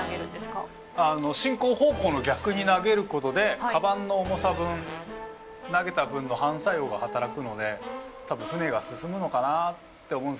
進行方向の逆に投げることでカバンの重さ分投げた分の反作用が働くので多分舟が進むのかなって思うんですけどまあ。